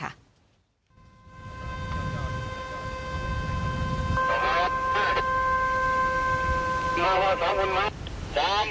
การแร่บอยุปเขาเป็นอีกวิธีที่นำมาใช้ในการขยายถนนที่ดอยรวก